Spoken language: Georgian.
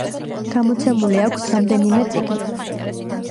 გამოცემული აქვს რამდენიმე წიგნი.